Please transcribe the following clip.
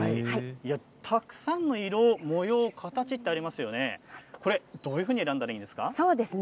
たくさんの模様色、形がありますよねどういうふうに選んだらいいんですか。